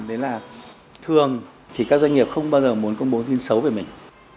đấy là thường thì các doanh nghiệp không bao giờ muốn công bố tin xấu về mình